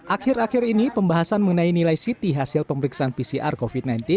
akhir akhir ini pembahasan mengenai nilai ct hasil pemeriksaan pcr covid sembilan belas